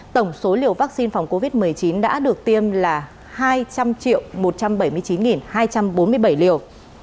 tổng số liều vaccine phòng covid một mươi chín đã được tiêm là hai trăm linh một trăm bảy mươi chín hai trăm bốn mươi bảy liều